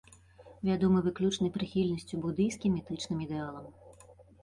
Вядомы выключнай прыхільнасцю будыйскім этычным ідэалам.